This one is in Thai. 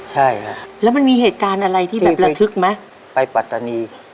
ใช่ค่ะแล้วมันมีเหตุการณ์อะไรที่แบบระทึกไหมไปปัตตานี